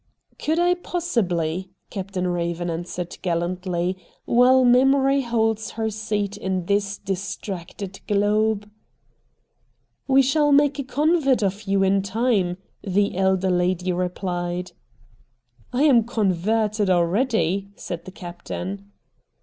' Could I possibly,' Captain Eaven an swered gallantly, ' while memory holds her seat in this distracted globe ?' IN THE DOORWAY Zz ' We shall make a convert of you in time,' the elder lady replied. 'I am half converted already,' said the Captain.